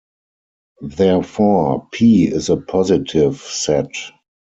Therefore, "P" is a positive set.